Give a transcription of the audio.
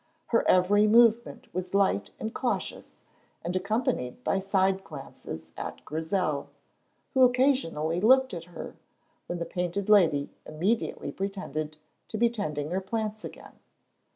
Her every movement was light and cautious and accompanied by side glances at Grizel, who occasionally looked at her, when the Painted Lady immediately pretended to be tending her plants again.